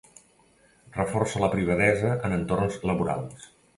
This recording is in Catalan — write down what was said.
Reforça la privadesa en entorns laborals.